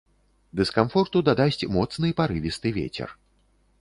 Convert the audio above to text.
Дыскамфорту дадасць моцны парывісты вецер.